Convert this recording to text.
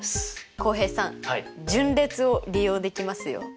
浩平さん順列を利用できますよ！